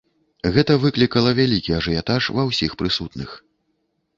Гэта выклікала вялікі ажыятаж ва ўсіх прысутных.